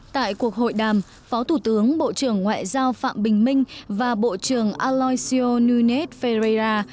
tại cuộc hội đàm phó thủ tướng bộ trưởng ngoại giao phạm bình minh và bộ trưởng aloisio nunes ferreira